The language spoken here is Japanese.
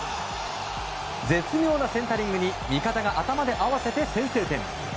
絶妙なセンタリングに味方が頭で合わせて先制点。